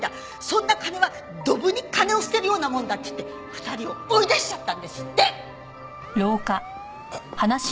そんな金はドブに金を捨てるようなもんだって言って２人を追い出しちゃったんですって！